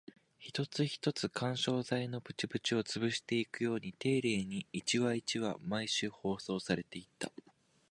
一つ一つ、緩衝材のプチプチを潰していくように丁寧に、一話一話、毎週放送されていった